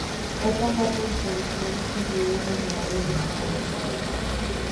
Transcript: Otra parte de la producción es consumida en los hogares de los productores.